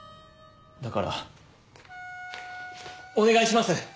だからお願いします！